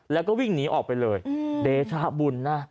แล้วก็วิ่งหนีออกไปเลยเดชะบุญนะ